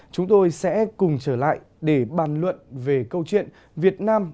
chúng tôi sẽ cùng trở lại để bàn luận về câu chuyện việt nam